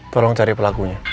tolong cari pelakunya